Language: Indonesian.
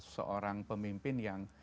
seorang pemimpin yang